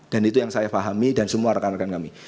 dan itu yang saya pahami dan semua rekan rekan kami